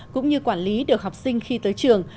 cũng như quản lý được học sinh khi tới trường